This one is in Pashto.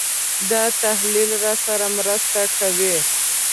دا تحلیل راسره مرسته کوي.